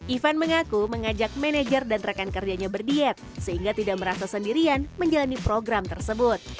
ivan mengaku mengajak manajer dan rekan kerjanya berdiet sehingga tidak merasa sendirian menjalani program tersebut